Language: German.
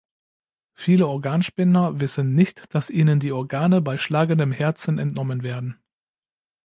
Viele Organspender wissen nicht, dass ihnen die Organe bei schlagendem Herzen entnommen werden.